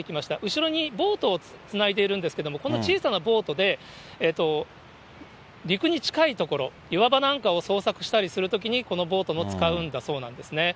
後ろにボートをつないでいるんですけれども、この小さなボートで、陸に近い所、岩場なんかを捜索したりするときに、このボートを使うんだそうなんですね。